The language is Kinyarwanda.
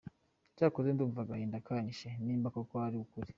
cyakoze ndumva agahinda kanyishe nimba koko ari ukuri!